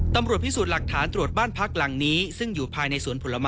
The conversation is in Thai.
ตำรวจพิสูจน์หลักฐานตรวจบ้านพักหลังนี้